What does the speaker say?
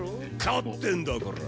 勝ってんだから。